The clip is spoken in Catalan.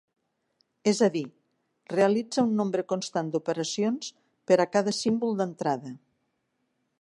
És a dir, realitza un nombre constant d'operacions per a cada símbol d'entrada.